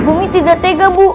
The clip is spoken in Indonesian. bumi tidak tega bu